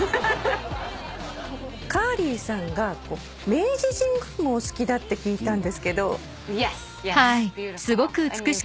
カーリーさんが明治神宮もお好きだって聞いたんですけど。